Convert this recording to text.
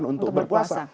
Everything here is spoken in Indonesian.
bukan untuk berpuasa